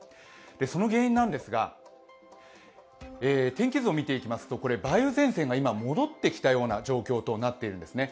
その原因なんですが、天気図を見てみますと、梅雨前線が今戻っている状況になっているんですね。